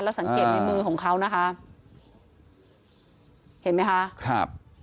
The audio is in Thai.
สังเกตในมือของเขานะคะเห็นไหมคะครับ